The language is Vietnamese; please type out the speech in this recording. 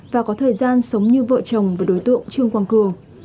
và có thời gian sống như vợ chồng với đối tượng trương quang cường